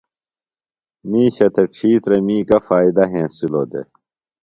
مِیشہ تھےۡ ڇِھیترمی گہ فائدہ ہنسِلوۡ دےۡ؟